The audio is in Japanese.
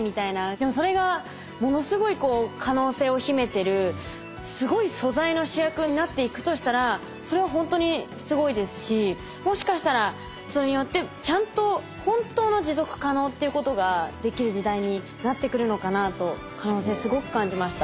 でもそれがものすごい可能性を秘めてるすごい素材の主役になっていくとしたらそれはほんとにすごいですしもしかしたらそれによってちゃんと本当の持続可能っていうことができる時代になってくるのかなと可能性すごく感じました。